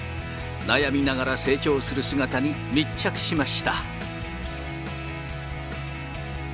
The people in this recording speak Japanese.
悩みながら成長する姿に密着しました。